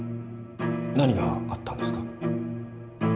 何があったんですか？